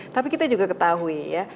tapi kita juga ketahui ya